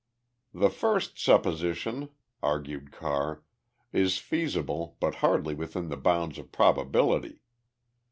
"The first supposition," argued Carr, "is feasible but hardly within the bounds of probability.